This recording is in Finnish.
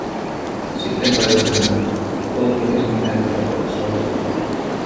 Sitten tajusin sen, kuollut mieshän minä joka tapauksessa olin.